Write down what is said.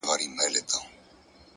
هوډ د نامعلومو لارو جرئت دی!